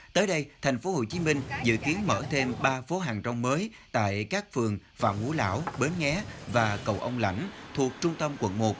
tới đây thành phố hồ chí minh dự kiến mở thêm ba phố hàng rong mới tại các phường phạm ngũ lão bến nghé và cầu ông lãnh thuộc trung tâm quận một